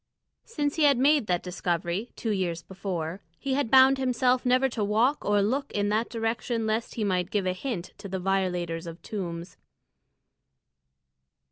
Since he had made that discovery, two years before, he had bound himself never to walk or look in that direction lest he might give a hint to the violators of tombs.